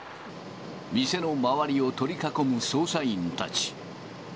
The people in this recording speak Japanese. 店の周りを取り囲む捜査員たち。